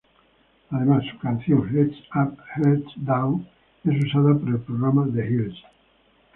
Además, su canción "Heads Up, Hearts Down" es usada para el programa The Hills.